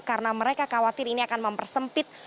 karena mereka khawatir ini akan mempersempit